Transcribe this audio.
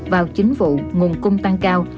vào chính vụ nguồn cung tăng cao